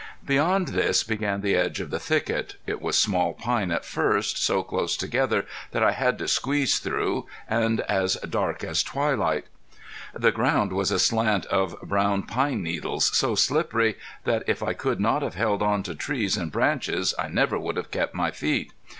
Beyond this began the edge of the thicket. It was small pine at first, so close together that I had to squeeze through, and as dark as twilight. The ground was a slant of brown pine needles, so slippery, that if I could not have held on to trees and branches I never would have kept my feet.